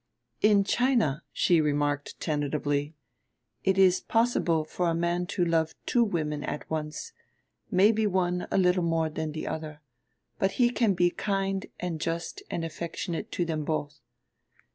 "In China," she remarked tentatively, "it is possible for a man to love two women at once, maybe one a little more than the other, but he can be kind and just and affectionate to them both.